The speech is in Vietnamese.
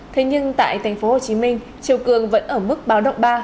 thế nhưng tại tp hcm chiều cường vẫn ở mức báo động ba